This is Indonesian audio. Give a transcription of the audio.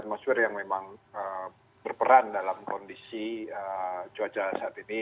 atmosfer yang memang berperan dalam kondisi cuaca saat ini